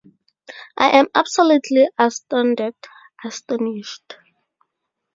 I am absolutely astounded, astonished.